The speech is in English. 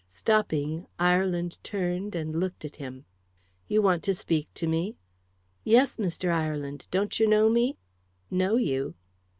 Stopping, Ireland turned and looked at him. "You want to speak to me?" "Yes, Mr. Ireland; don't yer know me?" "Know you?"